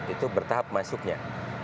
itu bertahap masuknya